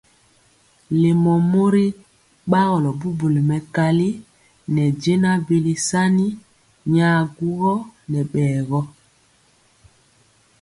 Lémɔ mori bagɔlɔ bubuli mɛkali nɛ jɛnaŋ bili sani nyaŋ gugɔ nɛ bɛɛgɔ.